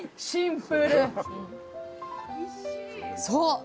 そう！